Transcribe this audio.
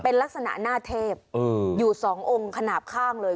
เป็นลักษณะหน้าเทพอยู่สององค์ขนาดข้างเลย